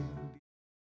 aku masih ada disini